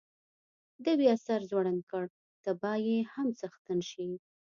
ده بیا سر ځوړند کړ، ته به یې هم څښتن شې.